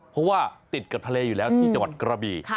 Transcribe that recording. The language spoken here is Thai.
เพราะว่าติดกับทะเลอยู่แล้วที่จังหวัดกระบี